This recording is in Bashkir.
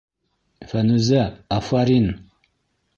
Фәнүзә, афарин!